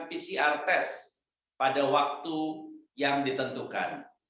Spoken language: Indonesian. pcr test pada waktu yang ditentukan